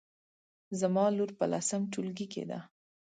زما لور په لسم ټولګي کې ده